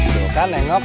tuh kan nengok